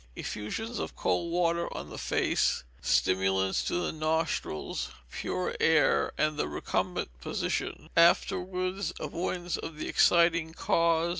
Effusion of cold water on the face, stimulants to the nostrils, pure air, and the recumbent position; afterwards, avoidance of the exciting cause.